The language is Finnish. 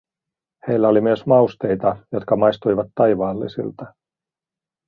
Heillä oli myös mausteita, jotka maistuivat taivaallisilta.